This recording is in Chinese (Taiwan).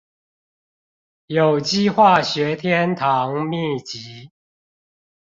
有機化學天堂祕笈